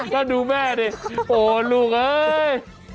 ก็ดูแม่ดิโอ้ลูกเอ้ย